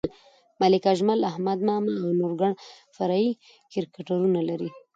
ملک اجمل، احمد ماما او نور ګڼ فرعي کرکټرونه لري.